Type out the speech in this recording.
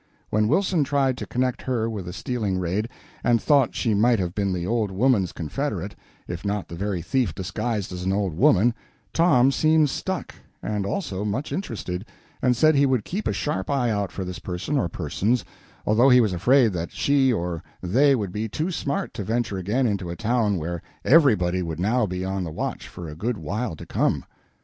When Wilson tried to connect her with the stealing raid, and thought she might have been the old woman's confederate, if not the very thief herself disguised as an old woman, Tom seemed stuck, and also much interested, and said he would keep a sharp eye out for this person or persons, although he was afraid that she or they would be too smart to venture again into a town where everybody would now be on the watch for a good while to come.